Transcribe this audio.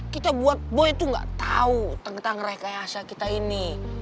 kita buat boy tuh gak tau tentang rekayasa kita ini